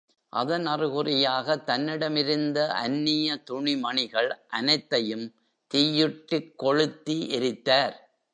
அதன் அறிகுறியாக தன்னிடம் இருந்த அன்னிய துணிமணிகள் அனைத்தையும் தீயிட்டுக் கொளுத்தி எரித்தார்.